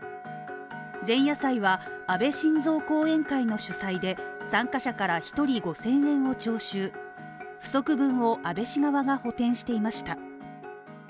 前夜祭は、安倍晋三後援会の主催で参加者から一人５０００円を徴収、不足分を安倍氏側が補填していました。